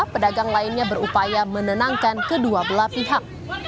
pedagang lainnya berupaya menenangkan kedua belah pihak